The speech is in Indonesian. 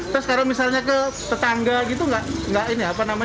terus kalau misalnya ke tetangga gitu nggak malu gitu ya